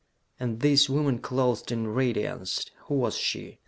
And this woman clothed in radiance who was she?